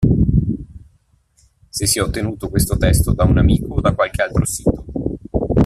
Se si è ottenuto questo testo da un amico o da qualche altro sito.